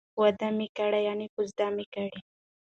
واده می کړی ،یعنی کوزده می کړې